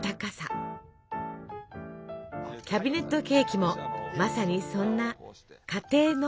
キャビネットケーキもまさにそんな「家庭の」